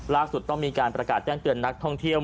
ต้องมีการประกาศแจ้งเตือนนักท่องเที่ยว